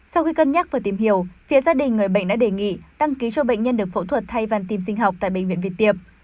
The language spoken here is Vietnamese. sau khi cân nhắc và tìm hiểu phía gia đình người bệnh đã đề nghị đăng ký cho bệnh nhân được phẫu thuật thay vàn tim sinh học tại bệnh viện việt tiệp